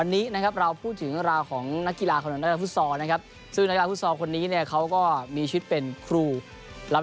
ในรายงานของคุณวิทย์วิทย์เจริญเชื้อครับ